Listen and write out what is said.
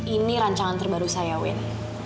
ini rancangan terbaru saya wenny